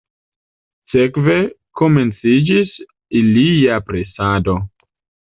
Sekve komenciĝis ilia presado.